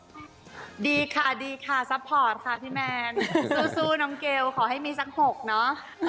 สู้น้ำเกลวขอให้มีสัก๖เนาะ